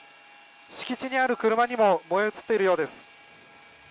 敷地にある車にも燃え移っているようです。